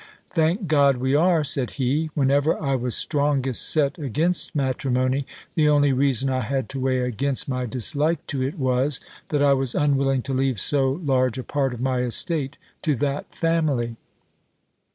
"Thank God, we are," said he. "Whenever I was strongest set against matrimony, the only reason I had to weigh against my dislike to it was, that I was unwilling to leave so large a part of my estate to that family.